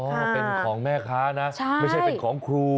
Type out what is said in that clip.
ว่าเป็นของแม่ค้านะไม่ใช่เป็นของครู